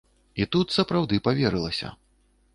І тут сапраўды паверылася.